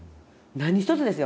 何一つですよ